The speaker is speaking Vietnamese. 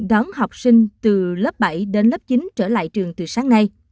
đón học sinh từ lớp bảy đến lớp chín trở lại trường từ sáng nay